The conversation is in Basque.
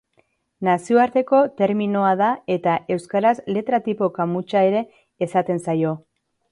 Nazioarteko terminoa da eta euskaraz letra-tipo kamutsa ere esaten zaio.